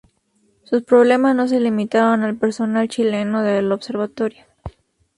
Sus problemas no se limitaron al personal chileno del Observatorio.